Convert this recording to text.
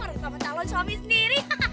terutama calon suami sendiri